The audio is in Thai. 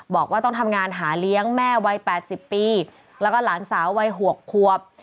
บอกว่าต้องทำงานหาเลี้ยงแม่วัย๘๐ปีแล้วก็หลานสาววัย๖ควบ